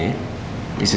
jadi sampein ke laba